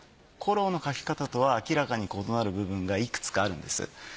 コローの描き方とは明らかに異なる部分がいくつかあるんです。